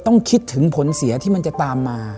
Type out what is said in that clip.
ต้องคิดถึงผลเสียที่มันจะตามมา